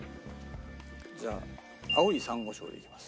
じゃあ『青い珊瑚礁』でいきます。